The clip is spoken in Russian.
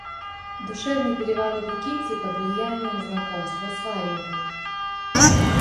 Душевный переворот у Кити под влиянием знакомства с Варенькой.